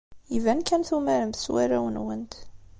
Iban kan tumaremt s warraw-nwent.